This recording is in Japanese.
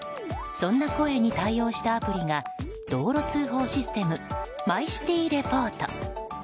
そんな声に対応したアプリが道路通報システムマイシティレポート。